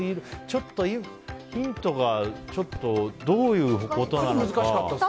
ちょっとヒントがどういうことなのか。